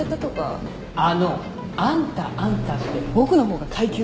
あのあんたあんたって僕の方が階級上ですけど。